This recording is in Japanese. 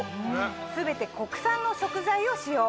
全て国産の食材を使用。